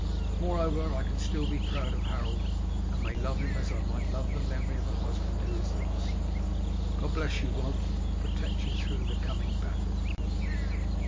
Moreover, I can still be proud of Harold, and may love him as I might love the memory of a husband who is lost. God bless you, Wulf, and protect you through the coming battle!"